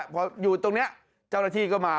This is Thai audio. พออยู่ตรงนี้เจ้าหน้าที่ก็มา